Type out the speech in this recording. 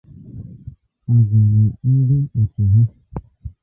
agwa na ndị otu ha.